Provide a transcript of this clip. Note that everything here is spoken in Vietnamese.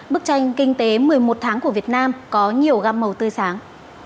bức tranh kinh tế một mươi một tháng của việt nam có nhiều gam màu tươi sáng